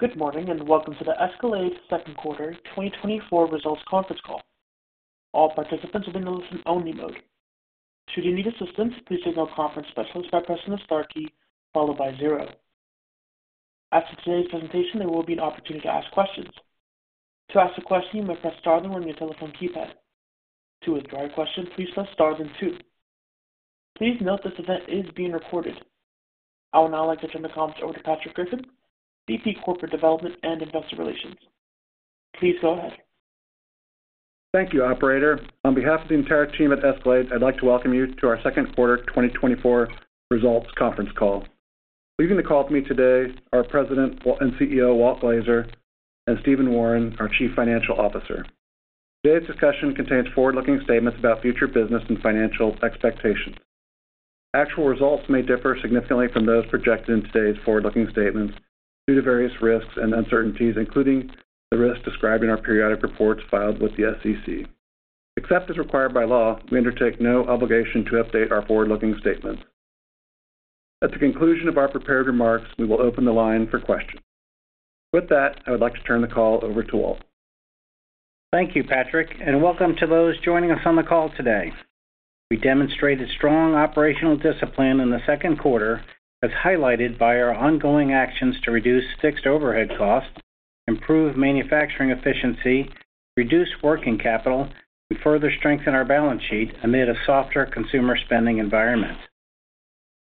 Good morning, and welcome to the Escalade Second Quarter 2024 Results Conference Call. All participants will be in a listen-only mode. Should you need assistance, please signal a conference specialist by pressing the star key followed by zero. After today's presentation, there will be an opportunity to ask questions. To ask a question, you may press star on your telephone keypad. To withdraw your question, please press star then two. Please note this event is being recorded. I will now like to turn the conference over to Patrick Griffin, VP, Corporate Development and Investor Relations. Please go ahead. Thank you, operator. On behalf of the entire team at Escalade, I'd like to welcome you to our second quarter 2024 results conference call. Leading the call with me today are President and CEO, Walt Glazer, and Stephen Wawrin, our Chief Financial Officer. Today's discussion contains forward-looking statements about future business and financial expectations. Actual results may differ significantly from those projected in today's forward-looking statements due to various risks and uncertainties, including the risks described in our periodic reports filed with the SEC. Except as required by law, we undertake no obligation to update our forward-looking statements. At the conclusion of our prepared remarks, we will open the line for questions. With that, I would like to turn the call over to Walt. Thank you, Patrick, and welcome to those joining us on the call today. We demonstrated strong operational discipline in the second quarter, as highlighted by our ongoing actions to reduce fixed overhead costs, improve manufacturing efficiency, reduce working capital, and further strengthen our balance sheet amid a softer consumer spending environment.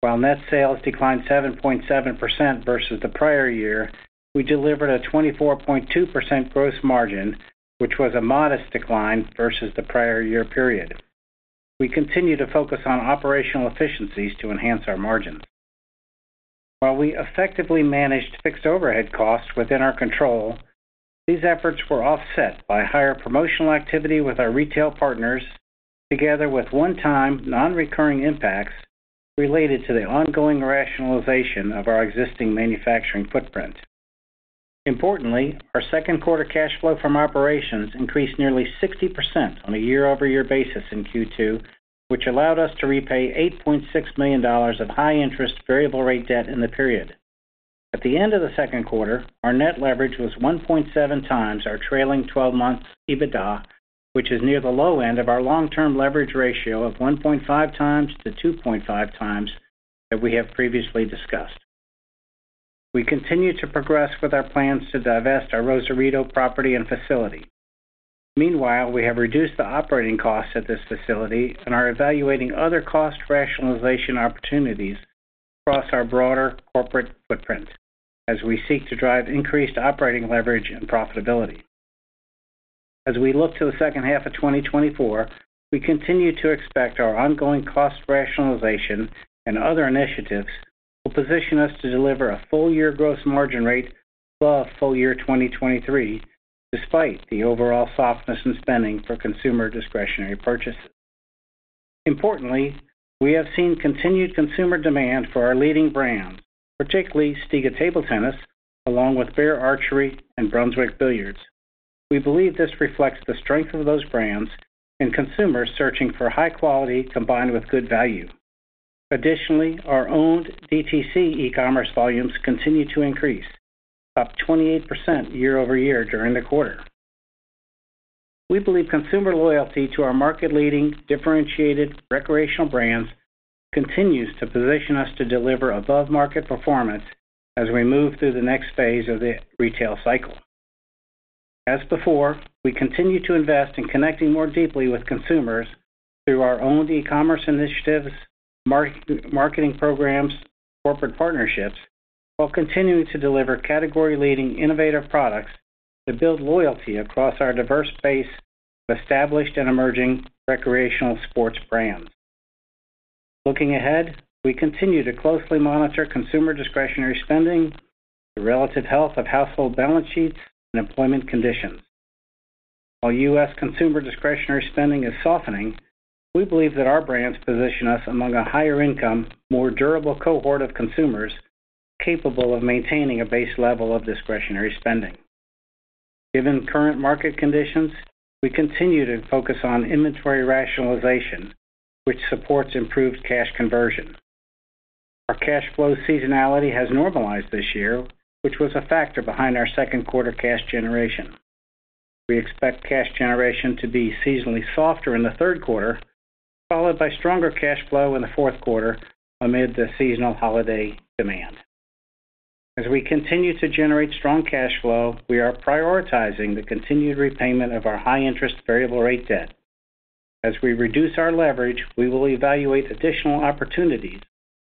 While net sales declined 7.7% versus the prior year, we delivered a 24.2% gross margin, which was a modest decline versus the prior year period. We continue to focus on operational efficiencies to enhance our margins. While we effectively managed fixed overhead costs within our control, these efforts were offset by higher promotional activity with our retail partners, together with one-time, nonrecurring impacts related to the ongoing rationalization of our existing manufacturing footprint. Importantly, our second quarter cash flow from operations increased nearly 60% on a year-over-year basis in Q2, which allowed us to repay $8.6 million of high-interest variable rate debt in the period. At the end of the second quarter, our net leverage was 1.7x our trailing twelve months EBITDA, which is near the low end of our long-term leverage ratio of 1.5x to 2.5x that we have previously discussed. We continue to progress with our plans to divest our Rosarito property and facility. Meanwhile, we have reduced the operating costs at this facility and are evaluating other cost rationalization opportunities across our broader corporate footprint as we seek to drive increased operating leverage and profitability. As we look to the second half of 2024, we continue to expect our ongoing cost rationalization and other initiatives will position us to deliver a full-year gross margin rate above full year 2023, despite the overall softness in spending for consumer discretionary purchases. Importantly, we have seen continued consumer demand for our leading brands, particularly STIGA Table Tennis, along with Bear Archery and Brunswick Billiards. We believe this reflects the strength of those brands and consumers searching for high quality combined with good value. Additionally, our owned DTC e-commerce volumes continue to increase, up 28% year-over-year during the quarter. We believe consumer loyalty to our market-leading, differentiated recreational brands continues to position us to deliver above-market performance as we move through the next phase of the retail cycle. As before, we continue to invest in connecting more deeply with consumers through our own e-commerce initiatives, marketing programs, corporate partnerships, while continuing to deliver category-leading innovative products that build loyalty across our diverse base of established and emerging recreational sports brands. Looking ahead, we continue to closely monitor consumer discretionary spending, the relative health of household balance sheets, and employment conditions. While U.S. consumer discretionary spending is softening, we believe that our brands position us among a higher income, more durable cohort of consumers capable of maintaining a base level of discretionary spending. Given current market conditions, we continue to focus on inventory rationalization, which supports improved cash conversion. Our cash flow seasonality has normalized this year, which was a factor behind our second quarter cash generation. We expect cash generation to be seasonally softer in the third quarter, followed by stronger cash flow in the fourth quarter amid the seasonal holiday demand. As we continue to generate strong cash flow, we are prioritizing the continued repayment of our high-interest variable rate debt. As we reduce our leverage, we will evaluate additional opportunities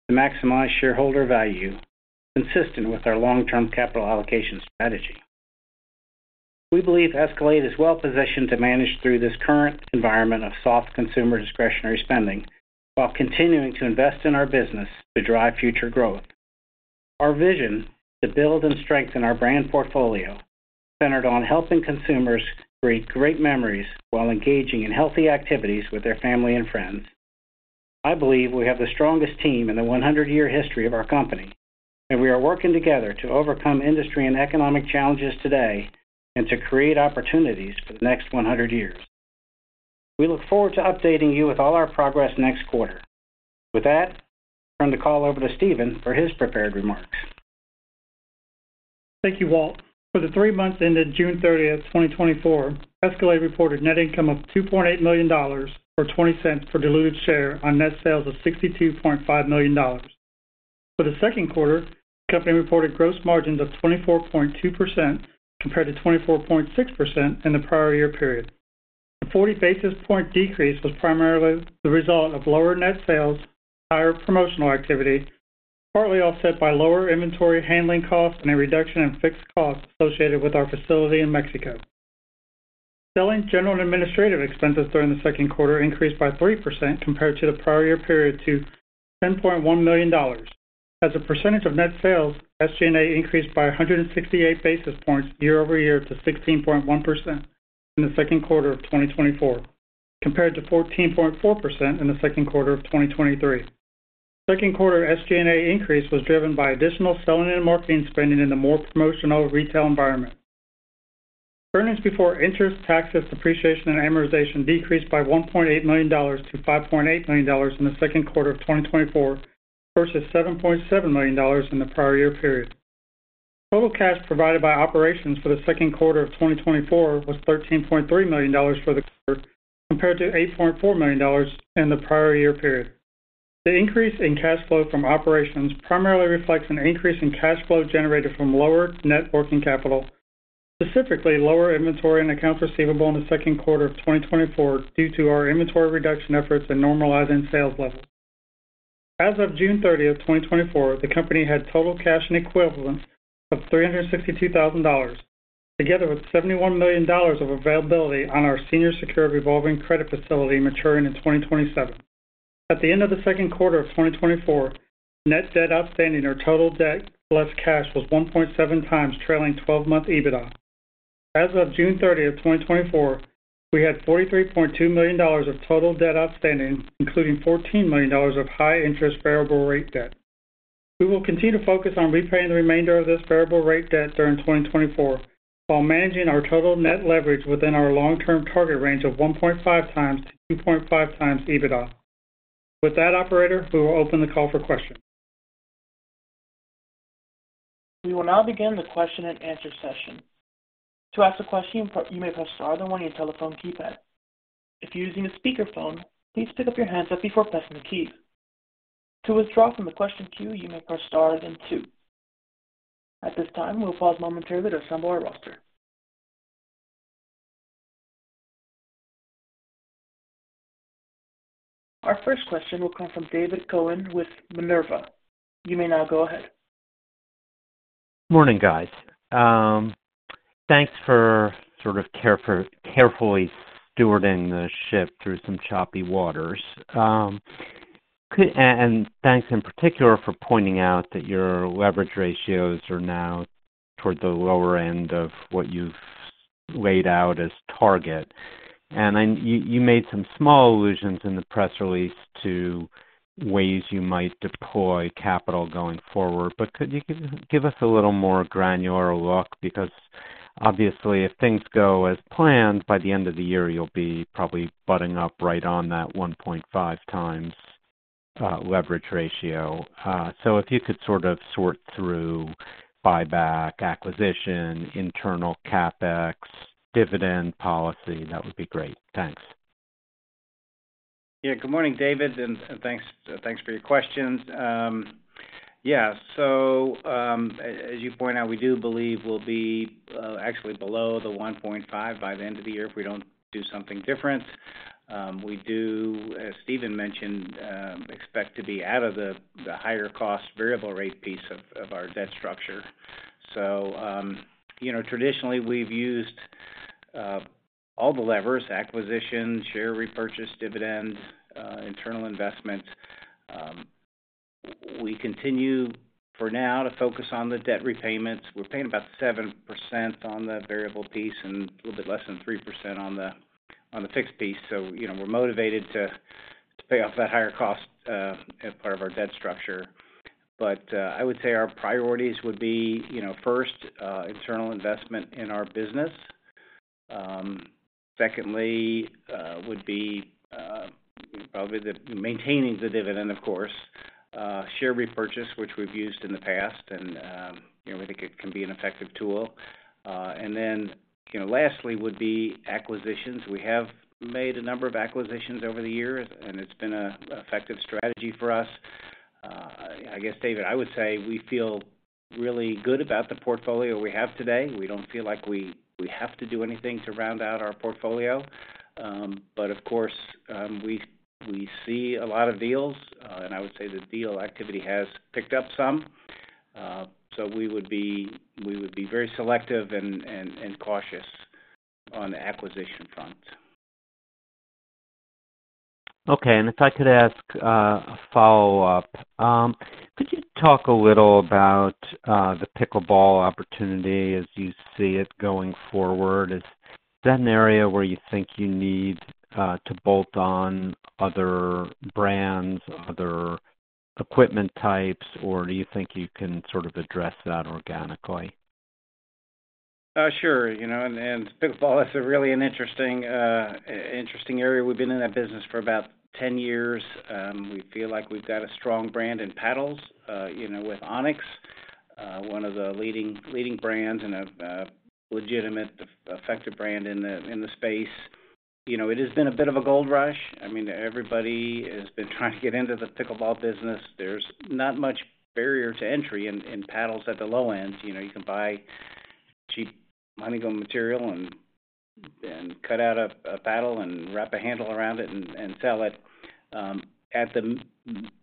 to maximize shareholder value consistent with our long-term capital allocation strategy. We believe Escalade is well positioned to manage through this current environment of soft consumer discretionary spending while continuing to invest in our business to drive future growth. Our vision to build and strengthen our brand portfolio, centered on helping consumers create great memories while engaging in healthy activities with their family and friends. I believe we have the strongest team in the 100-year history of our company, and we are working together to overcome industry and economic challenges today and to create opportunities for the next 100 years.... We look forward to updating you with all our progress next quarter. With that, I turn the call over to Stephen for his prepared remarks. Thank you, Walt. For the three months ended June 30th, 2024, Escalade reported net income of $2.8 million, or $0.20 for diluted share on net sales of $62.5 million. For the second quarter, the company reported gross margins of 24.2% compared to 24.6% in the prior year period. The 40 basis point decrease was primarily the result of lower net sales, higher promotional activity, partly offset by lower inventory handling costs and a reduction in fixed costs associated with our facility in Mexico. Selling, general, and administrative expenses during the second quarter increased by 3% compared to the prior year period to $10.1 million. As a percentage of net sales, SG&A increased by 168 basis points year-over-year to 16.1% in the second quarter of 2024, compared to 14.4% in the second quarter of 2023. Second quarter SG&A increase was driven by additional selling and marketing spending in a more promotional retail environment. Earnings before interest, taxes, depreciation, and amortization decreased by $1.8 million to $5.8 million in the second quarter of 2024, versus $7.7 million in the prior year period. Total cash provided by operations for the second quarter of 2024 was $13.3 million for the quarter, compared to $8.4 million in the prior year period. The increase in cash flow from operations primarily reflects an increase in cash flow generated from lower net working capital, specifically lower inventory and accounts receivable in the second quarter of 2024, due to our inventory reduction efforts and normalizing sales levels. As of June 30th, 2024, the company had total cash and equivalents of $362,000, together with $71 million of availability on our senior secured revolving credit facility maturing in 2027. At the end of the second quarter of 2024, net debt outstanding, or total debt plus cash, was 1.7x trailing twelve-month EBITDA. As of June 30th, 2024, we had $43.2 million of total debt outstanding, including $14 million of high interest variable rate debt. We will continue to focus on repaying the remainder of this variable rate debt during 2024, while managing our total net leverage within our long-term target range of 1.5x to 2.5x EBITDA. With that, operator, we will open the call for questions. We will now begin the question and answer session. To ask a question, you may press star on your telephone keypad. If you're using a speakerphone, please pick up your handset before pressing the key. To withdraw from the question queue, you may press star then two. At this time, we'll pause momentarily to assemble our roster. Our first question will come from David Cohen with Minerva. You may now go ahead. Morning, guys. Thanks for carefully stewarding the ship through some choppy waters. And thanks in particular for pointing out that your leverage ratios are now toward the lower end of what you've laid out as target. And then you made some small allusions in the press release to ways you might deploy capital going forward, but could you give us a little more granular look? Because obviously, if things go as planned, by the end of the year, you'll be probably butting up right on that 1.5x leverage ratio. So if you could sort through buyback, acquisition, internal CapEx, dividend policy, that would be great. Thanks. Yeah. Good morning, David, and thanks for your questions. Yeah, so as you point out, we do believe we'll be actually below the 1.5x by the end of the year if we don't do something different. We do, as Stephen mentioned, expect to be out of the higher cost variable rate piece of our debt structure. So, you know, traditionally we've used all the levers, acquisition, share repurchase, dividends, internal investment. We continue, for now, to focus on the debt repayments. We're paying about 7% on the variable piece and a little bit less than 3% on the fixed piece, so, you know, we're motivated to pay off that higher cost as part of our debt structure. But, I would say our priorities would be, you know, first, internal investment in our business. Secondly, would be probably maintaining the dividend, of course, share repurchase, which we've used in the past, and, you know, we think it can be an effective tool. And then, you know, lastly, would be acquisitions. We have made a number of acquisitions over the years, and it's been an effective strategy for us. I guess, David, I would say we feel really good about the portfolio we have today. We don't feel like we have to do anything to round out our portfolio. But of course, we see a lot of deals, and I would say the deal activity has picked up some. So we would be very selective and cautious on the acquisition front. Okay, and if I could ask a follow-up. Could you talk a little about the pickleball opportunity as you see it going forward? Is that an area where you think you need to bolt on other brands, other equipment types, or do you think you can sort of address that organically? ... Sure, you know, and pickleball is really an interesting area. We've been in that business for about 10 years, we feel like we've got a strong brand in paddles, you know, with Onix, one of the leading brands and a legitimate, effective brand in the space. You know, it has been a bit of a gold rush. I mean, everybody has been trying to get into the pickleball business. There's not much barrier to entry in paddles at the low end. You know, you can buy cheap honeycomb material and cut out a paddle and wrap a handle around it and sell it. At the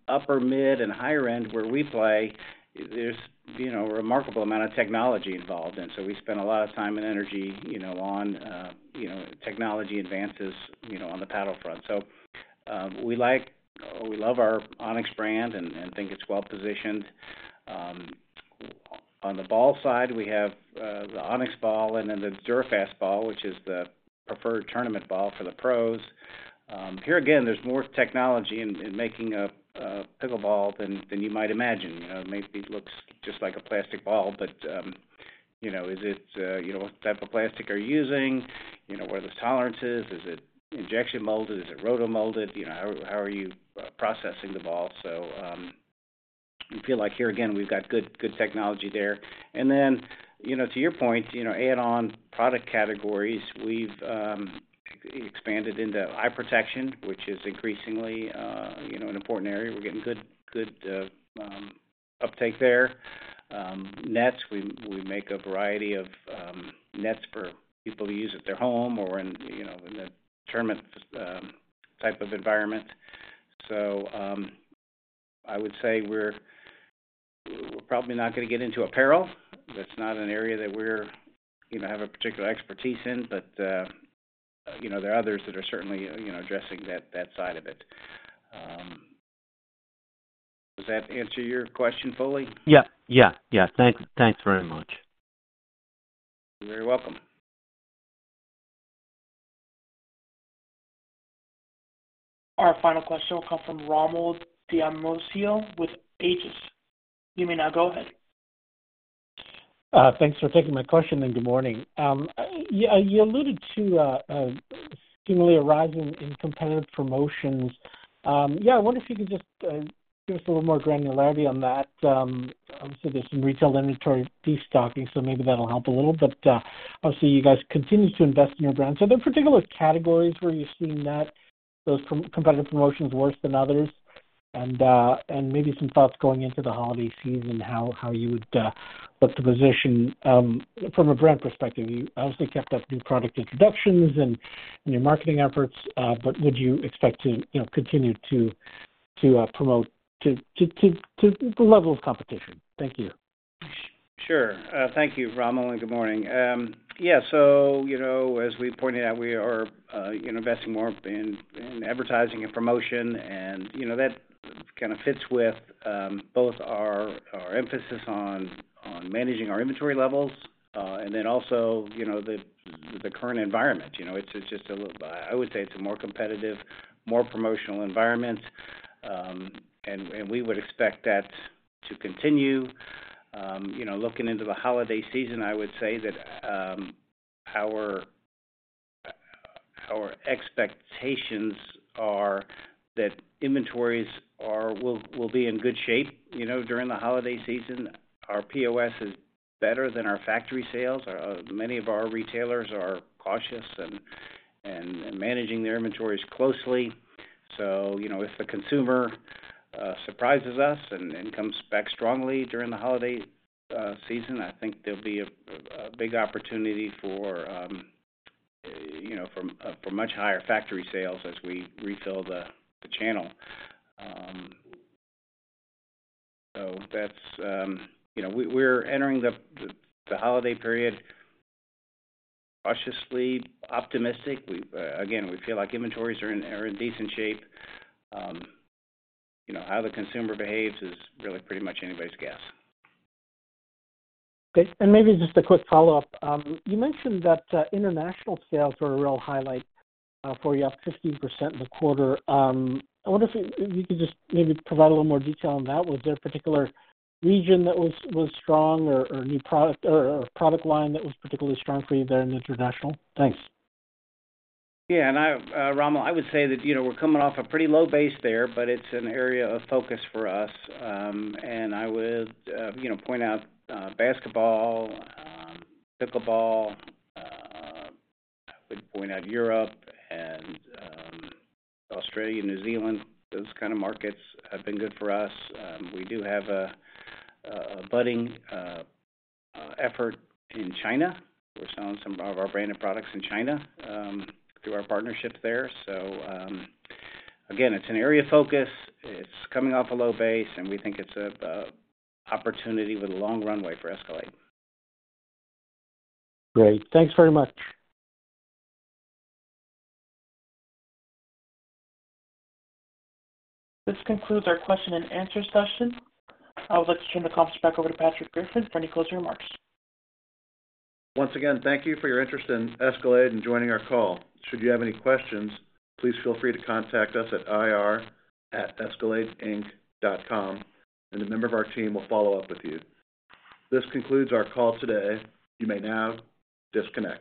upper, mid, and higher end, where we play, there's, you know, a remarkable amount of technology involved in, so we spend a lot of time and energy, you know, on, you know, technology advances, you know, on the paddle front. So, we like, we love our Onix brand and, and think it's well positioned. On the ball side, we have, the Onix ball and then the Dura Fast ball, which is the preferred tournament ball for the pros. Here, again, there's more technology in making a pickleball than you might imagine. You know, maybe it looks just like a plastic ball, but, you know, is it, you know, what type of plastic are you using? You know, what are the tolerances? Is it injection molded? Is it rotomolded? You know, how are you processing the ball? So, we feel like, here, again, we've got good technology there. And then, you know, to your point, add-on product categories, we've expanded into eye protection, which is increasingly, you know, an important area. We're getting good uptake there. Nets, we make a variety of nets for people to use at their home or in, you know, in a tournament type of environment. So, I would say we're probably not gonna get into apparel. That's not an area that we're, you know, have a particular expertise in, but, you know, there are others that are certainly addressing that side of it. Does that answer your question fully? Yeah, yeah, yeah. Thanks. Thanks very much. You're very welcome. Our final question will come from Rommel Dionisio with Aegis. You may now go ahead. Thanks for taking my question, and good morning. You alluded to seemingly a rise in competitive promotions. Yeah, I wonder if you could just give us a little more granularity on that. Obviously, there's some retail inventory destocking, so maybe that'll help a little. But, obviously, you guys continued to invest in your brand. So there are particular categories where you're seeing that, those competitive promotions worse than others? And maybe some thoughts going into the holiday season, how you would look to position from a brand perspective, you obviously kept up new product introductions and your marketing efforts, but would you expect to, you know, continue to promote to the level of competition? Thank you. Sure. Thank you, Rommel, and good morning. Yeah, so, you know, as we pointed out, we are investing more in advertising and promotion, and, you know, that kind of fits with both our emphasis on managing our inventory levels and then also, you know, the current environment. You know, it's just a little. I would say it's a more competitive, more promotional environment, and we would expect that to continue. You know, looking into the holiday season, I would say that our expectations are that inventories will be in good shape, you know, during the holiday season. Our POS is better than our factory sales. Many of our retailers are cautious and managing their inventories closely. So, you know, if the consumer surprises us and comes back strongly during the holiday season, I think there'll be a big opportunity for, you know, for much higher factory sales as we refill the channel. So that's... You know, we're entering the holiday period cautiously, optimistic. We again feel like inventories are in decent shape. You know, how the consumer behaves is really pretty much anybody's guess. Okay, and maybe just a quick follow-up. You mentioned that international sales were a real highlight for you, up 15% in the quarter. I wonder if you could just maybe provide a little more detail on that. Was there a particular region that was strong or new product or product line that was particularly strong for you there in international? Thanks. Yeah, and I, Rommel, I would say that, you know, we're coming off a pretty low base there, but it's an area of focus for us. And I would, you know, point out basketball, pickleball, I would point out Europe and Australia, New Zealand, those kind of markets have been good for us. We do have a budding effort in China. We're selling some of our branded products in China through our partnership there. So, again, it's an area of focus. It's coming off a low base, and we think it's an opportunity with a long runway for Escalade. Great. Thanks very much. This concludes our question and answer session. I would like to turn the conference back over to Patrick Griffin for any closing remarks. Once again, thank you for your interest in Escalade and joining our call. Should you have any questions, please feel free to contact us at ir@escaladeinc.com, and a member of our team will follow up with you. This concludes our call today. You may now disconnect.